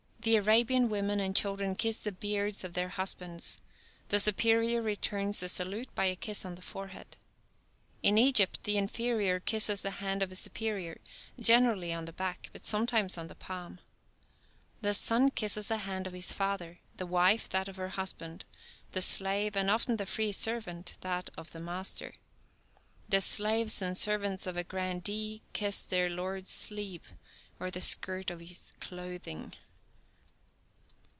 The Arabian women and children kiss the beards of their husbands; the superior returns the salute by a kiss on the forehead. In Egypt, the inferior kisses the hand of a superior, generally on the back, but sometimes on the palm; the son kisses the hand of his father, the wife that of her husband, the slave, and often the free servant, that of the master; the slaves and servants of a grandee kiss their lord's sleeve or the skirt of his clothing.